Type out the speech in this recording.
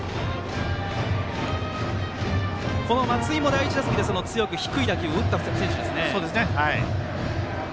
松井も第１打席で強く低い打球を打った選手です。